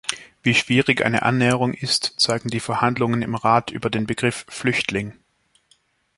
Wie schwierig eine Annäherung ist, zeigen die Verhandlungen im Rat über den Begriff "Flüchtling".